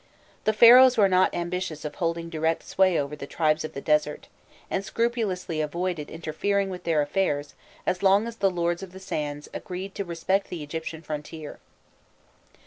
The Pharaohs were not ambitious of holding direct sway over the tribes of the desert, and scrupulously avoided interfering with their affairs as long as the "Lords of the Sands" agreed to respect the Egyptian frontier.